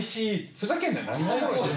ふざけんなよ！